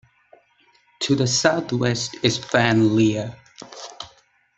To the south-west is Fan Llia.